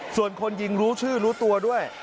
ส่วนคนยิงรู้ชื่อรู้ตัวด้วย